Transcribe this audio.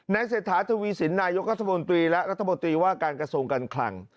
เศรษฐาทวีสินนายกรัฐมนตรีและรัฐมนตรีว่าการกระทรวงการคลัง